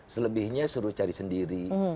selebihnya suruh cari sendiri